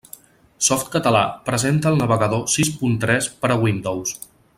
Softcatalà presenta el Navegador sis punt tres per a Windows.